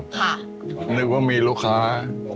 นึกว่ามีลูกค้า